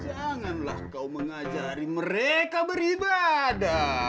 janganlah kau mengajari mereka beribadah